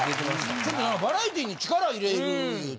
ちょっと何かバラエティーに力入れる言うて？